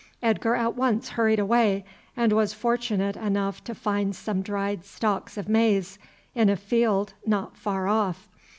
Edgar at once hurried away, and was fortunate enough to find some dried stalks of maize in a field not far off.